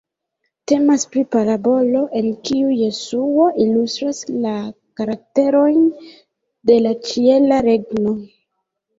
Temas pri parabolo en kiu Jesuo ilustras la karakterojn de la Ĉiela Regno.